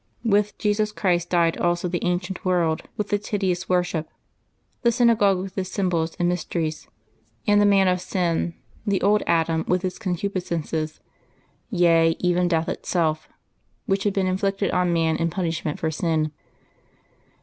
With Jesus Christ died also the ancient world with its hideous worship ; the synagogue with its sjonbols and mysteries; and the man of sin, the old Adam, with its concupiscences — yea, even death itself, which had been inflicted on man in pun 14 LIVES OF THE SAINTS ishment for sin.